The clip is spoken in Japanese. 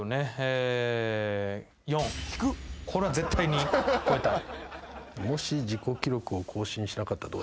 これは絶対に超えたい。